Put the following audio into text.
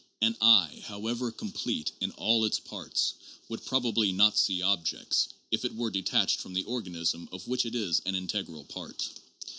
An eye, however complete in all its parts, would prob ably not see objects, if it were detached from the organism of which it is an integral part.